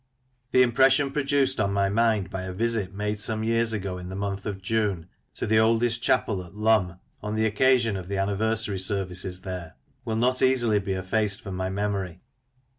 The impression produced upon my mind by a visit made some years ago in the month of June, to the oldest chapel at Lumb, on the occasion of the anniversary services there, will not easily be effaced from my memory.